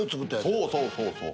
そうそうそうそう。